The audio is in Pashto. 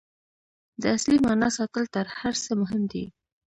د اصلي معنا ساتل تر هر څه مهم دي.